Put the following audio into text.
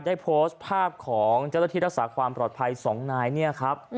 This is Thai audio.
ได้โพสต์ภาพของเจ้าตัวที่รักษาความปลอดภัย๒นาย